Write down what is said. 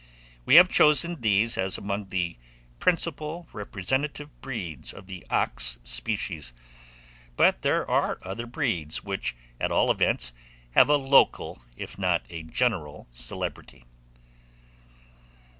We have chosen these as among the principal representative breeds of the ox species; but there are other breeds which, at all events, have a local if not a general celebrity.